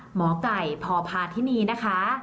หมอก่ายพพาวทินีนะคะ